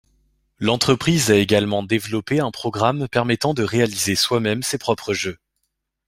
L'entreprise a également développé un programme permettant de réaliser soi-même ses propres jeux.